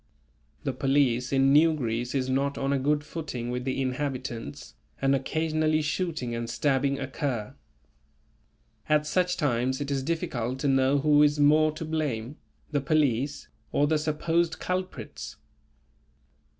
The police in New Greece is not on a good footing with the inhabitants, and occasionally shooting and stabbing occur. At such times it is difficult to know who is more to blame; the police or the supposed culprits.